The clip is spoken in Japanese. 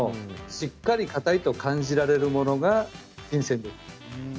しっかり、かたいと感じられるものが新鮮です。